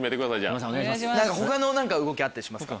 他の動きあったりしますか？